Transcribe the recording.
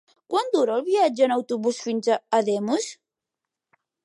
Quant dura el viatge en autobús fins a Ademús?